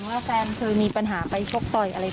งานไม่มีฟึ่งมีครั้งนี้ไม่มีอีกเลย